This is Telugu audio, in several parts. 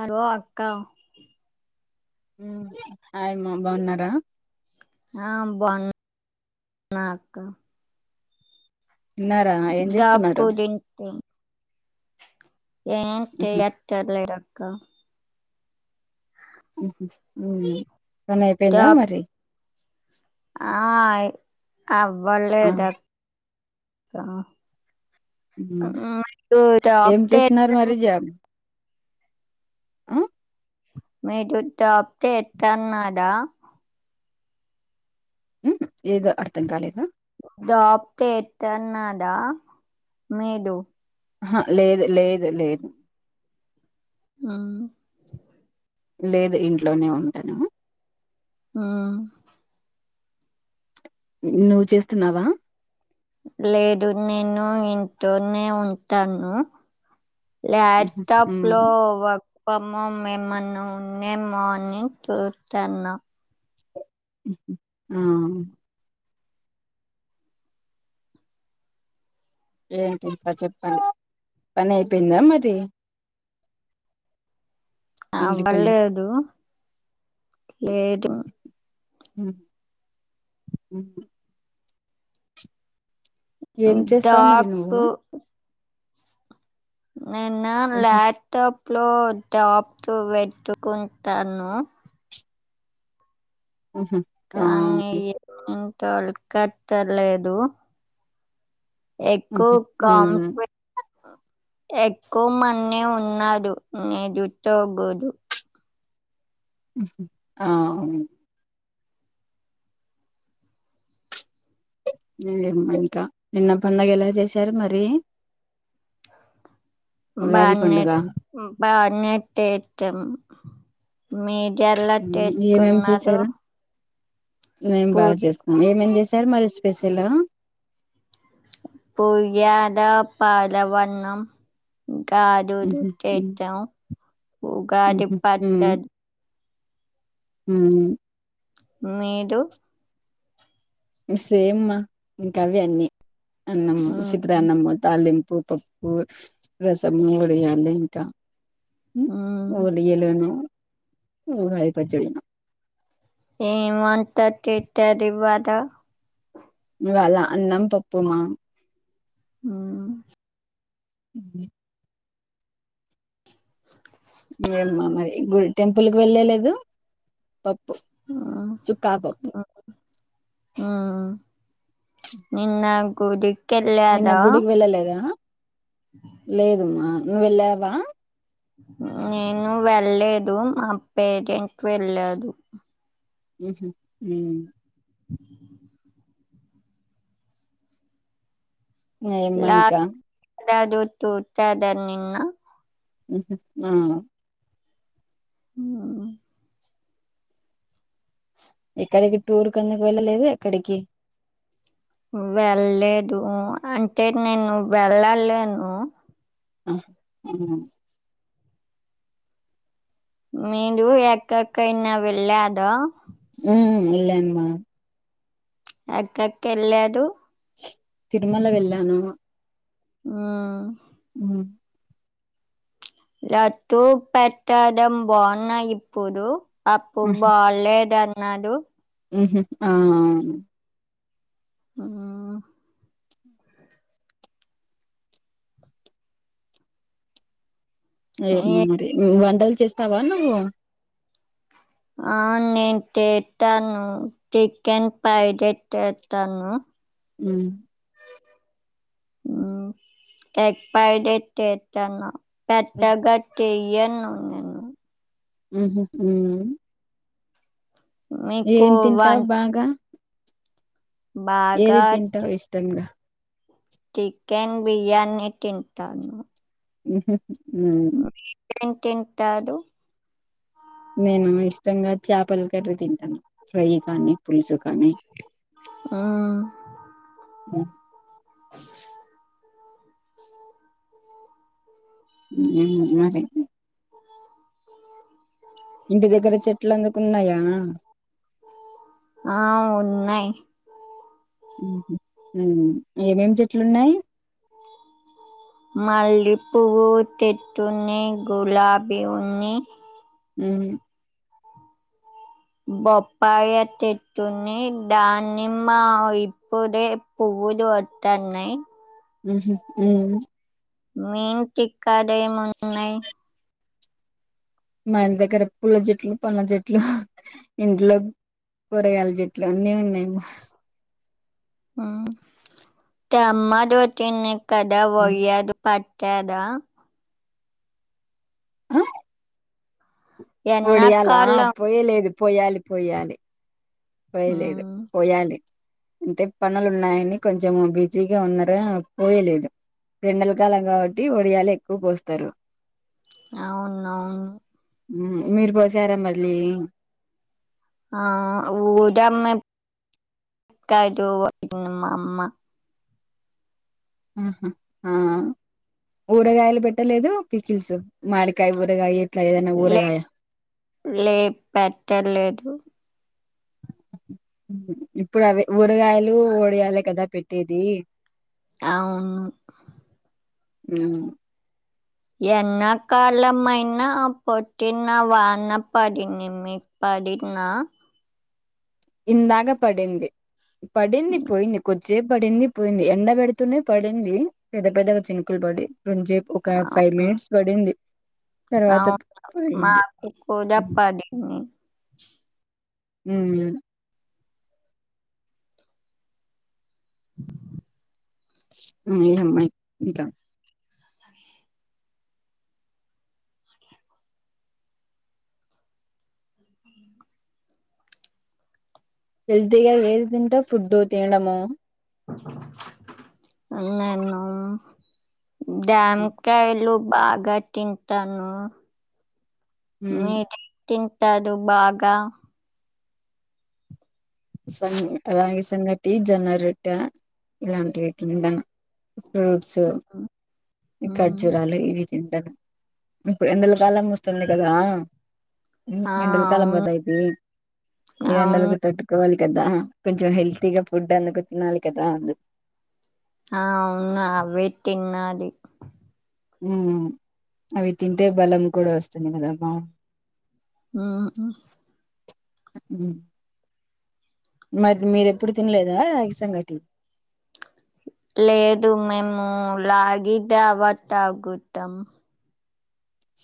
హలో అక్కా ఉ అయమ్మా బాగున్నారా ఆ బాగున్నా అక్క తిన్నారా ఏం దాకో చేస్తున్నారు దునుకుతది, ఎంటి ఉహు, ఎత్తర్లక్క హు పని అయిపోయిందా మరి ఆయ్ ఆ అవ్వలేదు అక్క జాబ్ ఏం చేసినారు చేస్తున్న మరి జాబ్ ఆ మీరు జాబ్ చేతన్నారా ఉ ఏదో అర్థం కాలేదా జాబ్ చేతున్నారా మీరు ఆహా లేదు లేదు లేదు ఆ లేదు ఇంట్లోనే ఉంటాను, ఆ నువ్వు చేస్తున్నావా, లేదు నేను ఇంట్లో నే ఉంటాను, ఉహు, లాప్టాప్ ఉమ్, లో వర్క్ ఫాం హోం మిమ్మల్ని ఉండే మనింగ్ చూతాన ఆ ఏంటింకా చెప్పండి పని అయిపోయిందా మరి ఇంటి పని అవ్వలేదు లేదు ఉ ఉ ఏం చేస్తావు మరి నువ్వు దాస్కూ నిన్న ఉహు, లాప్టాప్ లో టాప్ తో వెట్టుకుంటాను, ఉహు, ఆ కానీ ఇంతకట్టలేదు ఎగ్ ఉహు, కమ్ ఉమ్, ఎక్కువ మన్నే ఉన్నాడు నది తగూదు ఆ అవును ఎమ్మా ఇంకా నిన్న పండుగ ఎలా చేశారు మరి ఉగాది బాగానే పండుగ బాగానే చెచము మీరు ఎలా ఏమేం చేసుకున్నారు చేశారు మేం పు బాగా చేసుకున్నాం ఏమేం చేశారు మరి స్పెషల్ పులిహోర, పరవాన్నం కాదు ద ఉహు చేతం ఉగాది పచ్చడి, ఉ మీరు సేమ్మా ఇంక అవి అన్నీ అన్నము మ్మ్ ఉచిత్ర అన్నము తాలిం ఉప్పు పప్పు రసము ఒడియా అడి ఇంకా మ్మ్ ఓడియలును, ఉగాది పచ్చడి, ఏం వంట చేశారు ఇవ్వాళ ఇవాళ అన్నం పప్పు మా ఉ ఉ ఏమ్మా మరి గు టెంపుల్కి వెళ్ళలేదు, ఉప్పు చుక్కా పప్పు హ నిన్న గుడి నిన్న గుడికి వెళ్ళలేదా లేదమ్మా నువ్వు వెళ్ళావా నేను వెళ్లేదు మా పేరెంట్స్ వెళ్ళారు ఉహు ఉ ఏమ్మా ఇంకా చూసారా నిన్న ఉహు ఉ ఉ ఎక్కడికి టూర్కి ఎందుకు వెళ్ళలేదు ఎక్కడికి వెళ్లేదు అంటే నేను వెళ్ళలేను ఆహా ఆ మీరు ఎక్కడికైనా వెళ్ళారా ఉ వెళ్ళానమ్మ ఎక్కకి వెళ్ళారు తిరుమల వెళ్ళాను ఆ అ లడ్డు ప్రసాదం బాగుందా ఇప్పుడు అప్పుడు ఉహ్. బాగులేదు అన్నారు ఉహు అవునా ఆ లేదమ్మ నే- లేదు వంటలు చేస్తావా నువ్వు ఆ నేను చేస్తాను చికెన్ ఫ్రైడ్ రైస్ చేస్తాను ఉ ఎగ్ ఫ్రైడ్ రైస్ చేస్తాను పెద్దగా చే యను నేను ఉహు ఉ మీకు ఏం తింటావ్ వన్ బాగా ఏది బాగా తింటావ్ ఇష్టంగా చికెన్ బిర్యానీ తింటాను ఉహు ఉ ఎం తింటారు నేను ఇష్టంగా చేపల కర్రీ తింటాను ఫ్రై కానీ పులుసు కానీ మ్మ్. పులుసు ఉ ఇంటి దగ్గర చెట్లు ఎందుకున్నాయమ్మ ఆ ఉన్నాయి ఏమేమి చెట్లున్నాయి మల్లె పువ్వు చెట్లున్నాయి గులాబీ ఉన్నయి ఉ బొప్పయ చెట్లున్నాయి దానిమ్మ ఇప్పుడే పూ పూలు వత్తాన్నయి హ్మ్మ్ ఉ మీ ఇంటికాడేమున్నయి మా ఇంటి దగ్గర పుల్ల చెట్లు పండ్ల చెట్లు ఇంట్లో కూరగాయల చెట్లు అన్నీ ఉన్నాయమ్మ ఉమ్. [unintelligible] కేద ఆ ఒడియాలా ఎన్నకాలం పోయ లేదు పోయాలి పోయాలి పోయలేదు ఉమ్ పోయాలి అంటే పనులు ఉన్నాయని కొంచం బిజీగా ఉన్నార పోయలేదు ఎండల కాలం కాబట్టి వడియాల ఎక్కువ పోస్తారు అవును అవును మీరుపోసారా మరి లిల్లు ఆ ఊదమేం అక్కాదో ఉంది మా అమ్మ ఆహా ఆ ఊరగాయలు పెట్టలేదు పీకిల్సు మాడికాయ ఉ ఊరగాయ ఎట్లా ఏదన్న లే ఊరగాయ లే పెట్టలేదు ఇప్పుడు అవే ఊరగాయలు ఒడియలే కదా పెట్టేది అవును హ్మ్ ఎన్న కాలమైనా పోటినా వాన పడిని మికుప పడిన్నా ఇందాక పడింది పడింది పోయింది కొ చ్చేపు పడింది పోయింది ఎండ పెడుతూనే పడింది పెద్ద పెద్ద గా చినుకులు పడి కొంచేపు ఒక ఫైవ్ మినిట్స్ పడింది తర్వాత అవు పోయింది మాకు కూడా పడింది హ్మ్మ్ [inaudible] మీమ్మాయి ఇంకా [inaudible] హెల్తీగా ఏది తింటావ్ ఫుడ్డు తినడము నేను డ్యాంకాయలు బాగా తింటాను మీరు తింటారు బాగా సంగ్ రాగి సంగటి జొన్న రొట్ట ఇలాంటివి తిన్న ఫ్రూట్స్ హ్మ్. ఖర్జూరాలు ఇవి తింటారు ఇప్పుడు ఎండల కాలం వస్తుంది కదా ఉ ఆ! ఎండలకాలం అవును కదా ఇది ఈ అవును ఎండలకి తట్టుకోవాలి కదా కొంచెం హెల్తీగా ఫుడ్ అందుకు తినాలి కదా అందు ఆ అవును అవే తినాలి ఉ అవి తింటే బలం కూడా వస్తుంది కదా బ ఆ అ మరి మీరేప్పుడు తిన్లేదా ఇసంగటి లేదు మేము లాగి జవా తాగుతాం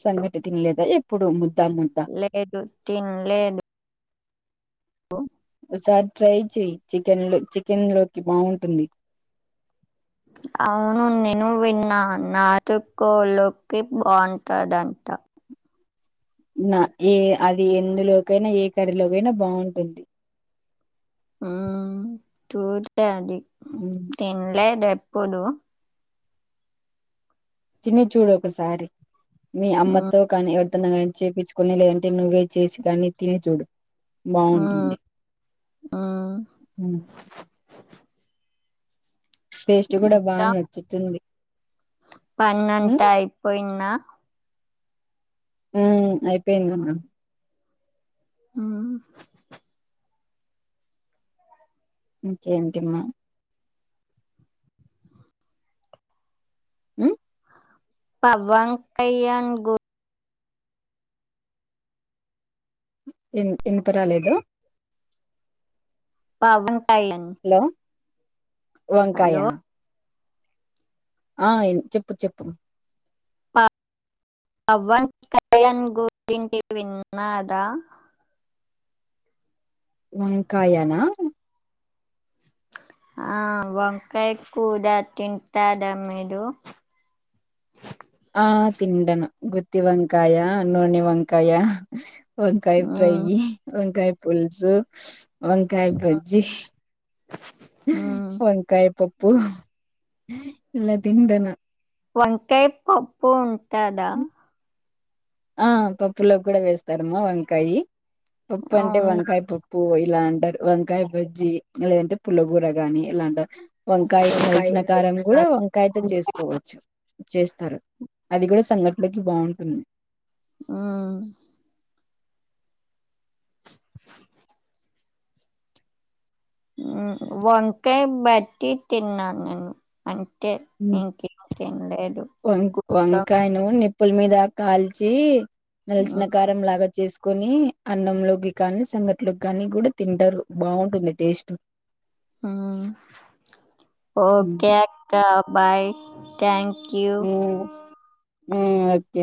సంగటి తిన్లేదా ఎప్పుడు ము లేదు తిన్ లేదు హలో ఒకసారి ట్రై చేయి చికెన్ లో చికెన్ లోకి బాగుంటుంది [inaudible] అవును నేను విన్నా నాటు కోలోకి బాగుంటదంట నా ఏ అది ఎందులోకైనా ఏ కర్రీ లోకైనా బాగుంటుంది చూళ్ళే అది తిన్లేదు ఎప్పుడు తిని చూడు ఒకసారి మీ మ్మ్, అమ్మతో కానీ ఎవ తోన్న గాని చేపిచుకొని లేదంటే నువ్వే చేసి కాని తిని చూడు మ్మ్, బాగుంటుంది మ్. టేస్ట్ కూడా బాగ నచ్చుతుంది పన్నంత ఉమ్ అయిపోయింద హు అయిపోయిందమ్మా ఆ ఇంకేంటిమ హు పవన్ కళ్యాణ్ గు ఇనప రాలేదు పవన్ కళ్యాణ్ హలో వంకాయ హలో ఆ చెప్పు చెప్పు పవన్ కళ్యాణ్ గురించి విన్నార వంకాయ న ఆ వంకాయ కూర తింటార మీరు [inaudible] ఆ తింటను గుత్తి వంకాయ నూని వంకాయ వంకాయ ఫ్రై మ్మ్, వంకాయ పుల్సు వంకాయ భజ్జి మ్మ్. వంకాయ పోప్పు ఇలా తింటన వంకాయ్ పప్పు ఉంటాద ఆ పప్పులో కూడ వేస్తారమ్మా వంకాయ పప్పు అంటే అవునా వంకాయ పప్పు ఇలాఅంటారు వంకాయ బజ్జి లేదంటే పుల్లగూర గాని ఇలా అంటారు వంకాయ నలిచిన కారం కూడా వంకాయతో చేసుకోవచ్చు చే స్తారు అది కూడ సంఘటి లోకి బాగుంటుంది ఆ [inaudible] వంకాయ బజ్జి తిన్నాను నేను ఇంకేం తినలేదు వంకాయను ఉప్పుల మీద కాల్చి నలిచిన కారం లాగ చేసు కొని అన్నంలోకి కానీ సంగట్లోకి కానీ కూడా తింటారు బాగుంటుంది టేస్ట్ హ్మ్. ఒకే అక్క బాయ్ థాంక్ ఒకే